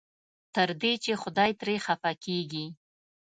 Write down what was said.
تر دې چې خدای ترې خفه کېږي.